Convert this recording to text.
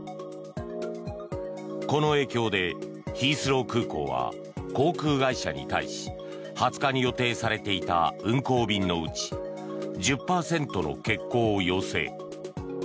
この影響でヒースロー空港は航空会社に対し２０日に予定されていた運航便のうち１０％の欠航を要請。